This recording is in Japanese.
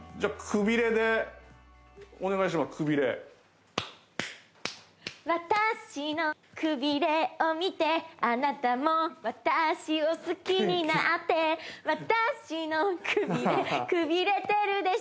くびれ私のくびれを見てあなたも私を好きになって私のくびれくびれてるでしょ